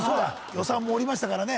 予算もおりましたからね